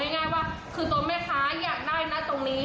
ง่ายว่าคือตัวแม่ค้าอยากได้นะตรงนี้